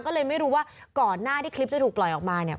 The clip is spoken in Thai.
ก็เลยไม่รู้ว่าก่อนหน้าที่คลิปจะถูกปล่อยออกมาเนี่ย